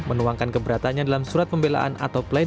menuangkan gebratanya dalam surat pembelaan atau plesia